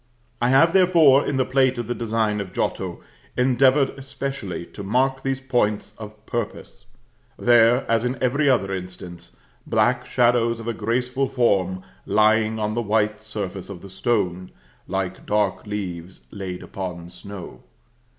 I have, therefore, in the plate of the design of Giotto, endeavored especially to mark these points of purpose; there, as in every other instance, black shadows of a graceful form lying on the white surface of the stone, like dark leaves laid upon snow.